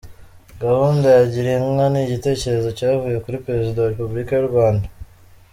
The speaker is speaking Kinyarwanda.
Gahunda ya Gira Inka ni igitekerezo cyavuye kuri Perezida wa Repubulika y’u Rwanda .